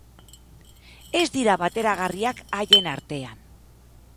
Ez dira bateragarriak haien artean.